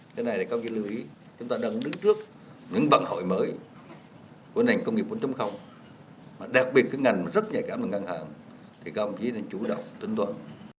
thủ tướng lưu ý chúng ta đang đứng trước những bằng hội mới của nền công nghiệp bốn đặc biệt các ngành rất nhạy cảm là ngân hàng thì không chỉ nên chủ động tuyên toán